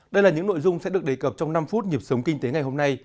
đây là những nội dung sẽ được đề cập trong năm phút nhịp sống kinh tế ngày hôm nay